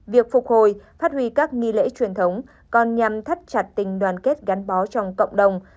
việc phục hồi phát huy các nghi lễ truyền thống còn nhằm thắt chặt tình đoàn kết gắn bó trong cộng đồng